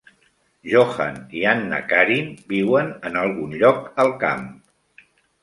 Johan i Anna-Karin viuen en algun lloc al camp.